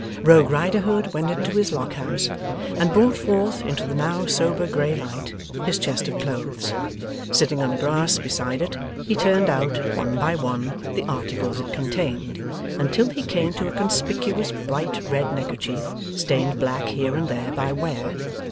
Rogue Riderhood went into his Lock house, and brought forth, into the now sober grey light, his chest of clothes. Sitting on the grass beside it, he turned out, one by one, the articles it contained, until he came to a conspicuous bright red neckerchief stained black here and there by wear.